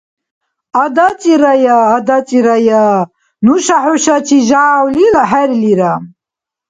АдацӀирая, адацӀирая, нуша хӀушачи жявлил хӀерлира.